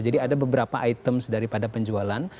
jadi ada beberapa items daripada penjualan